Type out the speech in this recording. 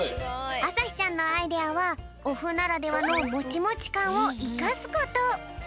あさひちゃんのアイデアはおふならではのモチモチかんをいかすこと。